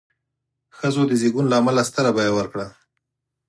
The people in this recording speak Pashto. ښځو د زېږون له امله ستره بیه ورکړه.